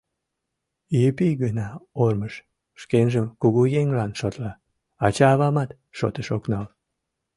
Епи гына ормыж, шкенжым кугу еҥлан шотла, ача-авамат шотыш ок нал.